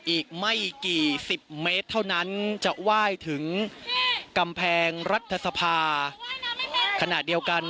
อีกไม่กี่สิบเมตรเท่านั้นจะไหว้ถึงกำแพงรัฐสภาขณะเดียวกัน